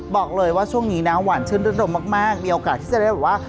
บอกเลยว่าช่วงนี้นะหวานชื่นรื่นรมมากมีโอกาสที่จะได้แบบว่า